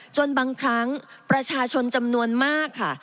จนบางครั้งประชาชนจำนวนมากค่ะ